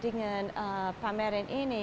dengan pameran ini